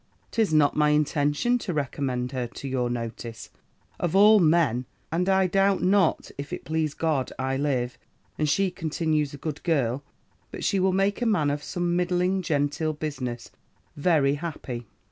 'Tis not my intention to recommend her to your notice, of all men; and I doubt not, if it please God I live, and she continues a good girl, but she will make a man of some middling, genteel business, very happy.'